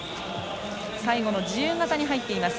最後の自由形に入っています。